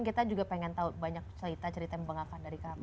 saya juga pengen tahu banyak cerita cerita yang bang aka dari kami